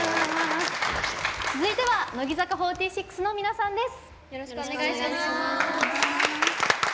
続いては乃木坂４６の皆さんです。